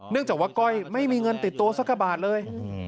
เนื่องจากว่าก้อยไม่มีเงินติดโตสักกระบาทเลย